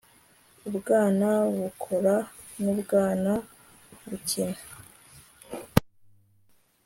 ubwana bukora nubwana bukina